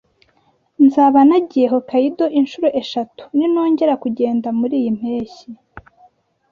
Nzaba nagiye Hokkaido inshuro eshatu ninongera kugenda muriyi mpeshyi.